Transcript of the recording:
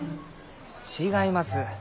違います。